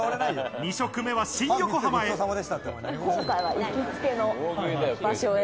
２食目は新横浜へ。